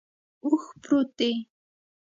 اوښ پروت دے